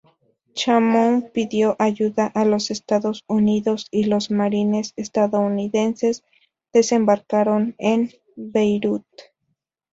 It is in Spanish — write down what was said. Chamoun pidió ayuda a los Estados Unidos, y los "marines" estadounidenses desembarcaron en Beirut.